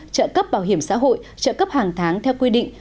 trợ cấp bảo hiểm xã hội trợ cấp hàng tháng theo quy định